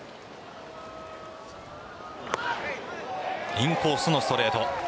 インコースのストレート。